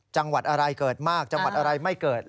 จังหวัดอะไรเกิดมากจังหวัดอะไรไม่เกิด